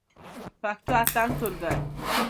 پښتو اتم ټولګی.